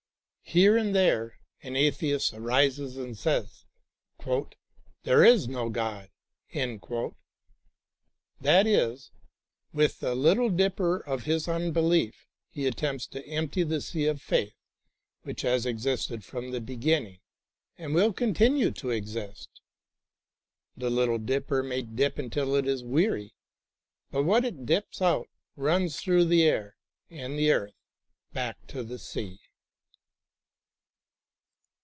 Here and there, an atheist arises and says *' There is no God," that is, with the little dipper of his un belief he attempts to empty the sea of faith which has existed from the beginning and will continue to exist. The little dipper may dip until it is weary, but what it dips out runs through the air and the earth back to the sea.